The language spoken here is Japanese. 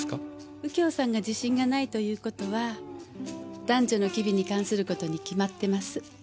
右京さんが自信がないという事は男女の機微に関する事にきまってます。